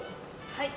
はい。